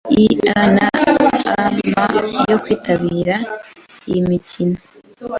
ianam yo kwitabira iyi mikino